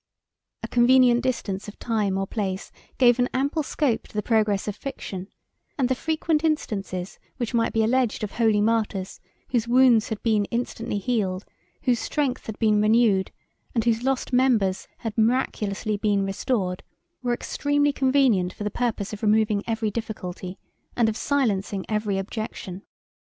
A convenient distance of time or place gave an ample scope to the progress of fiction; and the frequent instances which might be alleged of holy martyrs, whose wounds had been instantly healed, whose strength had been renewed, and whose lost members had miraculously been restored, were extremely convenient for the purpose of removing every difficulty, and of silencing every objection.